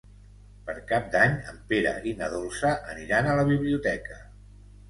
Per Cap d'Any en Pere i na Dolça aniran a la biblioteca.